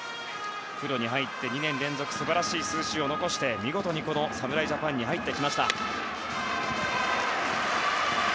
プロに入って２年連続素晴らしい数字を残して見事侍ジャパンに入ってきました。